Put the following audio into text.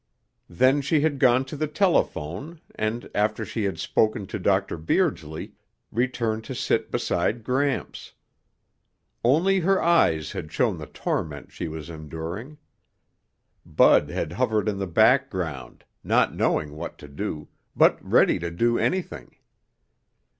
Then she had gone to the telephone and, after she had spoken to Dr. Beardsley, returned to sit beside Gramps. Only her eyes had shown the torment she was enduring. Bud had hovered in the background, not knowing what to do, but ready to do anything.